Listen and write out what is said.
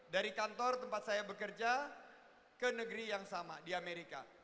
dari kantor tempat saya bekerja ke negeri yang sama di amerika